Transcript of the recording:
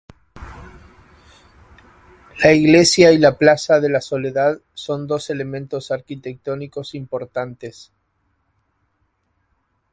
La Iglesia y la Plaza de la Soledad son dos elementos arquitectónicos importantes.